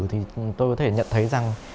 thì tôi có thể nhận thấy rằng